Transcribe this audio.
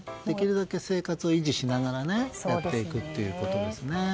できるだけ生活を維持しながらやっていくということですよね。